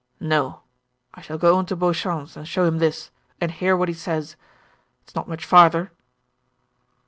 "No. I shall go on to Beauchamp's and show him this, and hear what he says. It's not much farther."